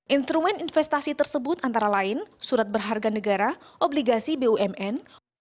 instrumen investasi tersebut antara lain surat berharga negara obligasi bumn